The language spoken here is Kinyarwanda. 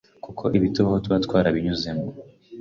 kuko ibitubaho tuba twarabinyuzemo